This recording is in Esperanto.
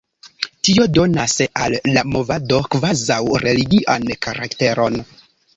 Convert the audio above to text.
Tio donas al la movado kvazaŭ religian karakteron.